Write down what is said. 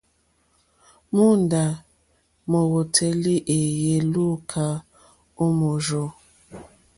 Móǒndá mówǒtélì wéèyé lùúkà ó mòrzô.